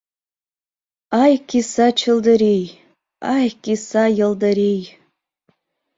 Ай, киса чылдырий, Ай, киса йылдырий!